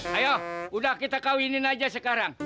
ayo udah kita kawinin aja sekarang